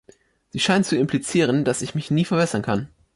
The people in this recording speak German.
Sie scheint zu implizieren, dass ich mich nie verbessern kann.